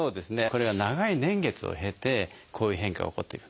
これは長い年月を経てこういう変化が起こっている。